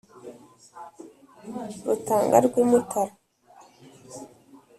Rutanga rw'i Mutara